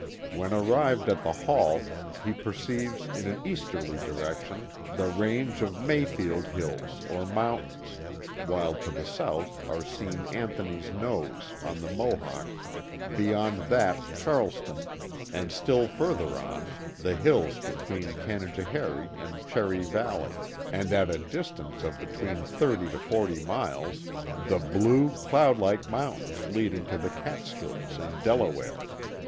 When arrived at the Hall, he perceives in an easterly direc tion the range of Mayfield hills or mountains, while to the south are seen Anthony's Nose, on the Mohawk, beyond that Charleston, and still further on, the hills between Canajoharie and Cherry Valley; and at a distance of between thirty to forty miles, the blue, cloud like mountains leading to the Catskills and Delaware.